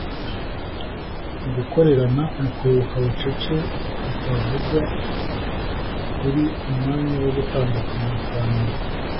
gukorerana mu kwibuka bucece bitavugwa kuri umwanya wo gutandukana kwa nyuma? ”